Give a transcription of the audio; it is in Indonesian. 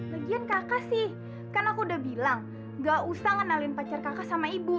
lagian kakak sih kan aku udah bilang nggak usah kenalin pacar kakak sama ibu